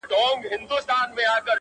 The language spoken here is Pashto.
اوښکه یم په لاره کي وچېږم ته به نه ژاړې٫